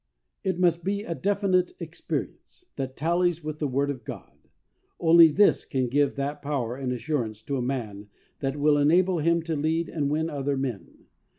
It must he a definite experience that tallies with the Word of God. Only this can give that power and assurance to a man that will enable him to lead and win other men.